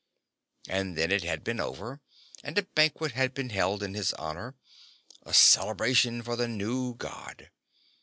And then it had been over, and a banquet had been held in his honor, a celebration for the new God.